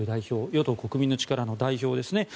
与党・国民の力の代表ですね。